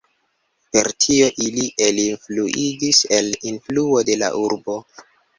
Per tio ili elinfluigis el influo de la urbo.